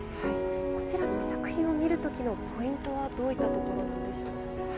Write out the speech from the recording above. こちらの作品を見るときのポイントはどういったところなんでしょうか。